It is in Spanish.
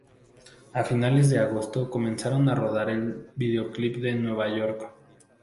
A finales de agosto comenzaron a rodar el videoclip en Nueva York.